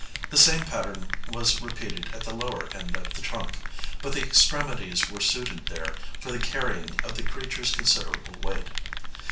The same pattern was repeated at the lower end of the trunk, but the extremities were suited there for the carrying of the creature's considerable weight.